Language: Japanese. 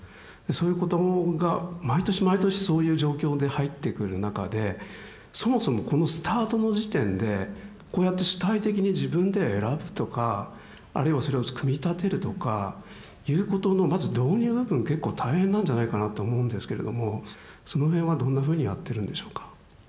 そういう子どもが毎年毎年そういう状況で入ってくる中でそもそもこのスタートの時点でこうやって主体的に自分で選ぶとかあるいはそれを組み立てるとかいうことのまず導入部分結構大変なんじゃないかなと思うんですけれどもそのへんはどんなふうにやってるんでしょうか？